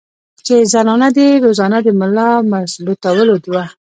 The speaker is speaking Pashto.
چې زنانه دې روزانه د ملا مضبوطولو دوه